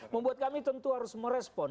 membuat kami tentu harus merespon